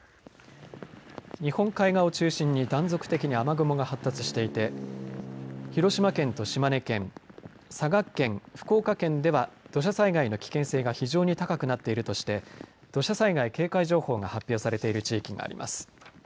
日本海側を中心に断続的に雨雲が発達していて、広島県と島根県、佐賀県、福岡県では、土砂災害の危険性が非常に高くなっているとして、土砂災害警戒情報が発表されている地域があります。